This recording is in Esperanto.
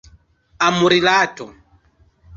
Amrilato.